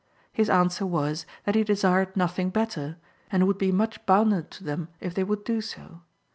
His answer was that he desired nothing better, and would be much bounden to them if they would do so.